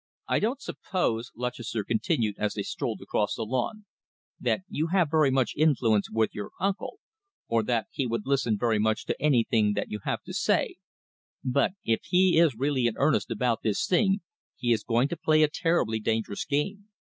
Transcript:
"I don't suppose," Lutchester continued, as they strolled across the lawn, "that you have very much influence with your uncle, or that he would listen very much to anything that you have to say, but if he is really in earnest about this thing, he is going to play a terribly dangerous game.